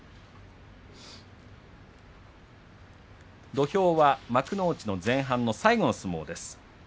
土俵は幕内の前半最後の相撲です。